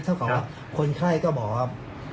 เท่ากับว่าคนไข้ก็บอกว่า